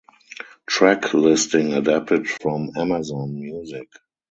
Track listing adapted from Amazon Music.